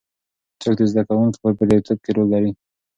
څوک د زده کوونکو په بریالیتوب کې رول لري؟